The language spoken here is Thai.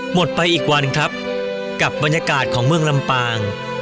หมดไปอีกวันครับกับบรรยากาศของเมืองลำปาง